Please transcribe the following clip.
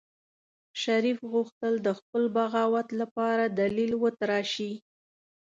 شريف غوښتل د خپل بغاوت لپاره دليل وتراشي.